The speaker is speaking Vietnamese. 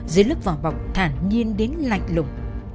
dưới lức vỏ bọc thản nhiên đến lạnh lùng